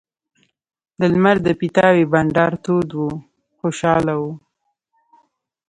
د لمر د پیتاوي بنډار تود و خوشاله وو.